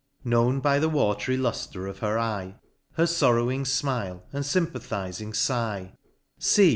— Known by the watry luftre of her eye, Her forrowing fmile, and fympathizing figh ; See